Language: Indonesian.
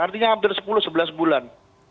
artinya hampir sepuluh sebelas bulan